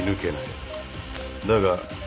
だが。